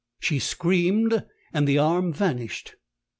"She screamed, and the arm vanished.